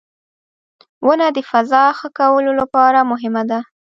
• ونه د فضا ښه کولو لپاره مهمه ده.